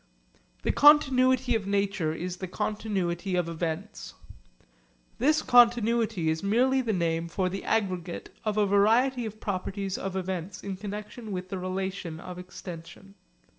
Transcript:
The continuity of nature is the continuity of events. This continuity is merely the name for the aggregate of a variety of properties of events in connexion with the relation of extension.